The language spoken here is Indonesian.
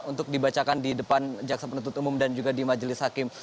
untuk dibacakan di depan jaksa penuntut umum dan juga di majelis hakim